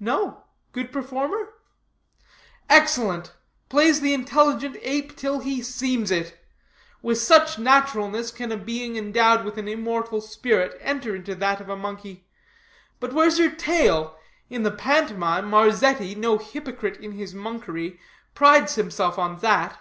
"No; good performer?" "Excellent; plays the intelligent ape till he seems it. With such naturalness can a being endowed with an immortal spirit enter into that of a monkey. But where's your tail? In the pantomime, Marzetti, no hypocrite in his monkery, prides himself on that."